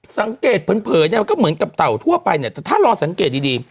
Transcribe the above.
สังเกตเผลอก็เหมือนกับเต่าทั่วไปไหนแต่ถ้ารอสังเกตดี